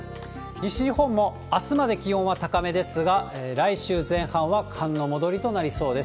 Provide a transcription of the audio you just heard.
西日本もあすまで気温は高めですが、来週前半は寒の戻りとなりそうです。